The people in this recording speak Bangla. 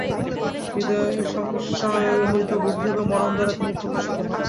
হৃদয়, সংশয়রহিত বুদ্ধি এবং মনন দ্বারা তিনি প্রকাশিত হন।